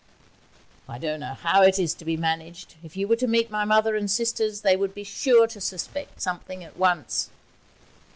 'I don't know how it is to be managed. If you were to meet my mother and sisters they would be sure to suspect something at once.'